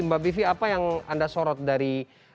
mbak vivi apa yang anda sorot dari